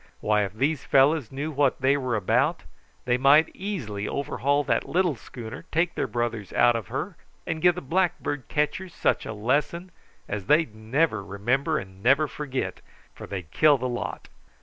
Why, if these fellows knew what they were about, they might easily overhaul that little schooner, take their brothers out of her, and give the blackbird catchers such a lesson as they'd never remember and never forget, for they'd kill the lot.